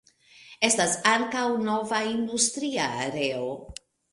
Estas ankaŭ nova industria areo.